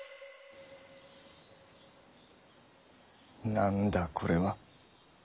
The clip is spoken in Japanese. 何だこれはッ。